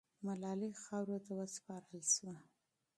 ملالۍ خاورو ته وسپارل سوه.